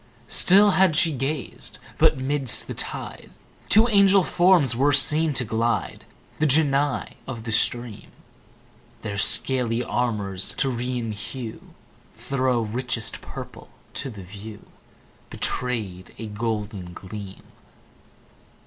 Still had she gazed; but 'midst the tide Two angel forms were seen to glide, The Genii of the stream: Their scaly armour's Tyrian hue Thro' richest purple to the view Betray'd a golden gleam.